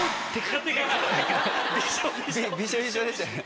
びしょびしょでしたね。